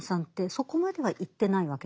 そこまでは言ってないわけですよ。